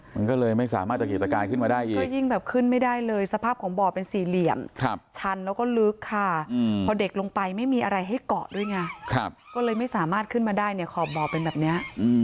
มันก็เลยไม่สามารถตะเกียกตะกายขึ้นมาได้อีกแล้วยิ่งแบบขึ้นไม่ได้เลยสภาพของบ่อเป็นสี่เหลี่ยมชันแล้วก็ลึกค่ะพอเด็กลงไปไม่มีอะไรให้เกาะด้วยไงก็เลยไม่สามารถขึ้นมาได้เนี่ยขอบบ่อเป็นแบบนี้